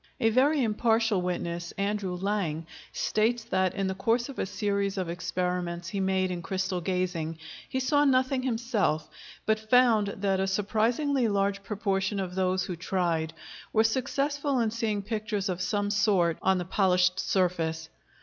A very impartial witness, Andrew Lang, states that, in the course of a series of experiments he made in crystal gazing, he saw nothing himself, but found that a surprisingly large proportion of those who tried were successful in seeing pictures of some sort on the polished surface.